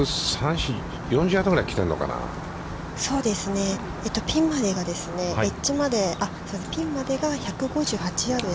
ピンまでが、エッジまでピンまでが１５８ヤード。